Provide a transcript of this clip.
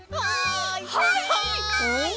はいはい！